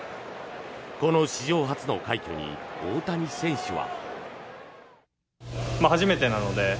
この史上初の快挙に大谷選手は。